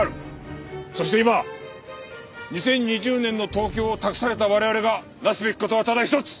そして今２０２０年の東京を託された我々がなすべき事はただ一つ。